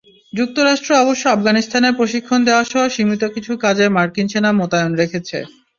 যুক্তরাষ্ট্র অবশ্য আফগানিস্তানে প্রশিক্ষণ দেওয়াসহ সীমিত কিছু কাজে মার্কিন সেনা মোতায়েন রেখেছে।